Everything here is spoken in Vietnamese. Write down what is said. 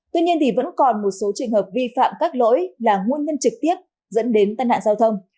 tuy nhiên vẫn còn một số trường hợp vi phạm các lỗi là nguồn nhân trực tiếp dẫn đến tân hạn giao thông